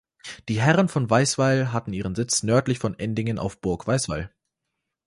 Die Herren von Weisweil hatten ihren Sitz nördlich von Endingen auf Burg Weisweil.